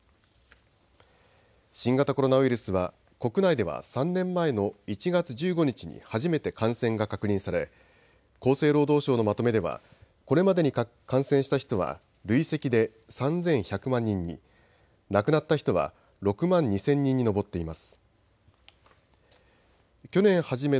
新型コロナウイルスは国内では３年前の１月１５日に初めて感染が確認され厚生労働省のまとめではこれまでに感染した人は累積で３１００万人に、亡くなった人は６万２０００人に上っています。